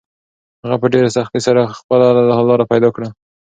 هغه په ډېرې سختۍ سره خپله لاره پیدا کړه.